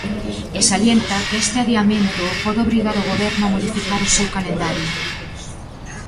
E salienta que "este adiamento pode obrigar o Goberno a modificar o seu calendario".